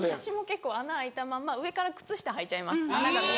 結構穴開いたまま上から靴下はいちゃいます。